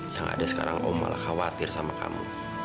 yang ada sekarang om malah khawatir sama kamu